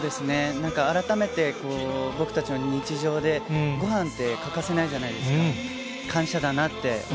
なんか改めて、僕たちの日常で、ごはんって欠かせないじゃないですか。